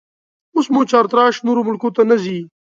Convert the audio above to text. اوس مو چارتراش نورو ملکو ته نه ځي